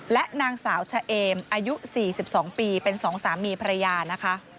และนางสาวชะเอมอายุ๔๒ปีเป็นสองสามีภรรยานะคะ